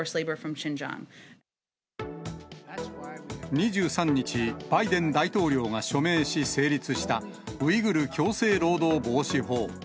２３日、バイデン大統領が署名し、成立した、ウイグル強制労働防止法。